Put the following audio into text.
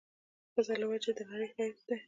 ښځې له وجه د نړۍ ښايست دی